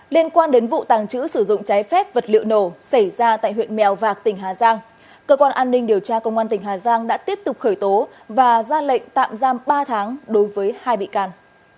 liên quan đến vụ tàng trữ sử dụng trái phép vật liệu nổ xảy ra tại huyện mèo vạc tỉnh hà giang cơ quan an ninh điều tra công an tỉnh hà giang đã tiếp tục khởi tố và ra lệnh tạm giam ba tháng đối với hai bị can